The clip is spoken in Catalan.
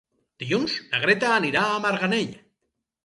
Dilluns na Greta anirà a Marganell.